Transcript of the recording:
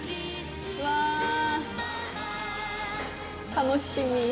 楽しみ。